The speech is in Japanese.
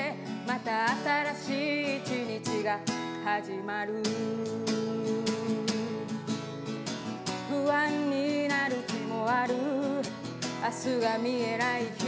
「また新しい一日が始まる」「不安になる日もある明日が見えない日もある」